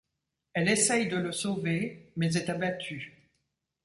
Elle essaye de le sauver mais est abattue.